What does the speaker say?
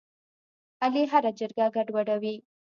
علي هره جرګه ګډوډوي.